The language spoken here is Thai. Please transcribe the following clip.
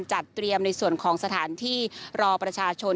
จัดเตรียมในส่วนของสถานที่รอประชาชน